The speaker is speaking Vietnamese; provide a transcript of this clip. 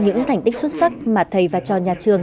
những thành tích xuất sắc mà thầy và cho nhà trường